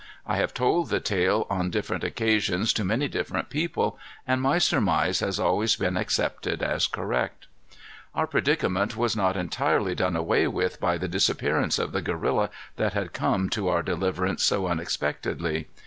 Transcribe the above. I have told the tale on different occasions to many different people, and my surmise has always been accepted as correct. Our predicament was not entirely done away with by the disappearance of the gorilla that had come to our deliverance so unexpectedly.